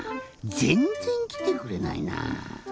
ぜんっぜんきてくれないなぁ。